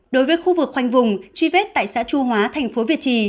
đối với khu vực khoanh vùng truy vết tại xã chu hóa tp việt trì